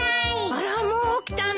あらもう起きたの。